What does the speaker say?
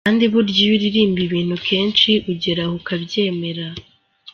Kandi burya iyo uririmba ibintu kenshi ugera aho ukabyemera.